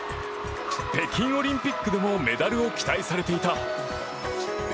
北京オリンピックでもメダルを期待されていた。